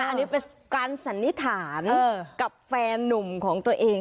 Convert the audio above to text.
อันนี้เป็นการสันนิษฐานกับแฟนนุ่มของตัวเอง